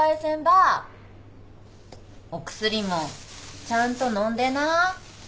お薬もちゃんと飲んでな。